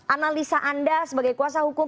analisa anda sebagai kuasa hukum